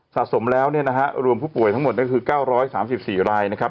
สะสมแล้วเนี่ยนะฮะรวมผู้ป่วยทั้งหมดนั่นคือเก้าร้อยสามสิบสี่รายนะครับ